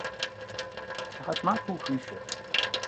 Сыхьэт махуэ ухуишэ!